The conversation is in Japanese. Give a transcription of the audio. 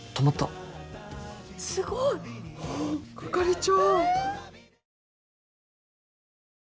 すごい！係長！